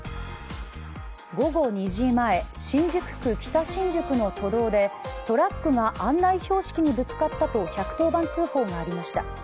午後２時前、新宿区北新宿の都道でトラックが案内標識にぶつかったと１１０番通報がありました。